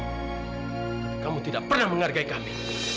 tapi kamu tidak pernah menghargai kami